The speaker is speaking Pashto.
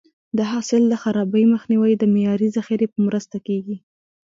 د حاصل د خرابي مخنیوی د معیاري ذخیرې په مرسته کېږي.